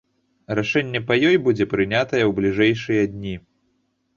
Рашэнне па ёй будзе прынятае ў бліжэйшыя дні.